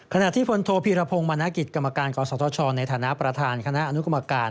ขณะที่พลโทพีรพงศ์มณกิจกรรมการกศธชในฐานะประธานคณะอนุกรรมการ